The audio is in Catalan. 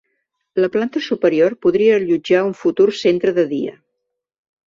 La planta superior podria allotjar un futur centre de dia.